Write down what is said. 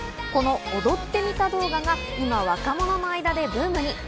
この踊ってみた動画が今、若者の間でブームに。